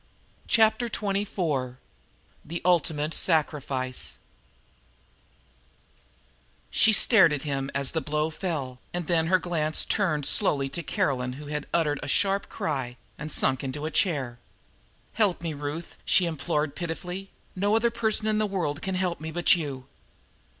Chapter Twenty four The Ultimate Sacrifice She stared at him, as the blow fell, and then her glance turned slowly to Caroline who had uttered a sharp cry and sunk into a chair. "Help me, Ruth," she implored pitifully. "No other person in the world can help me but you!"